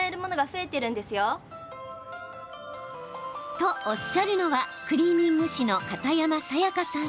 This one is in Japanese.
と、おっしゃるのはクリーニング師の片山さやかさん。